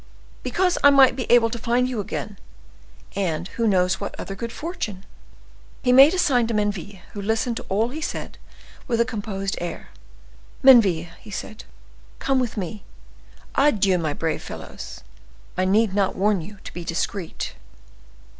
"Because I might be able to find you again, and, who knows what other good fortune?" He made a sign to Menneville, who listened to all he said with a composed air. "Menneville," said he, "come with me. Adieu, my brave fellows! I need not warn you to be discreet."